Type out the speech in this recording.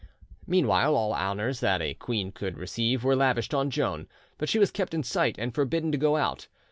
Meanwhile all honours that a queen could receive were lavished on Joan; but she was kept in sight and forbidden to go out.